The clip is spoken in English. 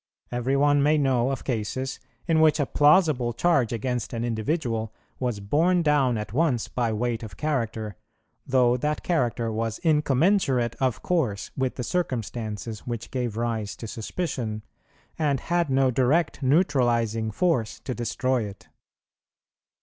Every one may know of cases in which a plausible charge against an individual was borne down at once by weight of character, though that character was incommensurate of course with the circumstances which gave rise to suspicion, and had no direct neutralizing force to destroy it.